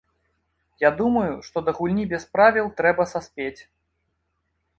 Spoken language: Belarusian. Я думаю, што да гульні без правіл трэба саспець.